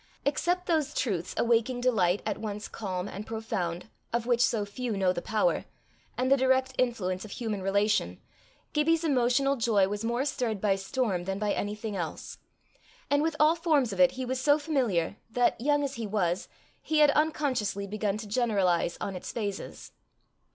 Except those truths awaking delight at once calm and profound, of which so few know the power, and the direct influence of human relation, Gibbie's emotional joy was more stirred by storm than by anything else; and with all forms of it he was so familiar that, young as he was, he had unconsciously begun to generalize on its phases.